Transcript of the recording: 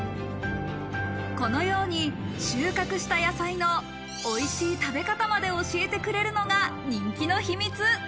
このように収穫した野菜のおいしい食べ方まで教えてくれるのが人気の秘密。